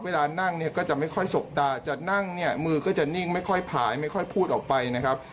เวลานั่งเนี่ยก็จะไม่ค่อยสบตาจะนั่งเนี่ยมือก็จะนิ่งไม่ค่อยผายไม่ค่อยพูดออกไปนะครับ